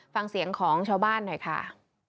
ฟังเสียงของชาวบ้านหน่อยค่ะ